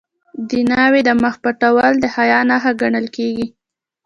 د ناوې د مخ پټول د حیا نښه ګڼل کیږي.